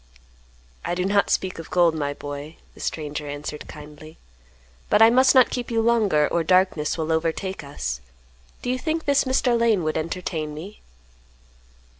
"I do not speak of gold, my boy," the stranger answered kindly. "But I must not keep you longer, or darkness will overtake us. Do you think this Mr. Lane would entertain me?"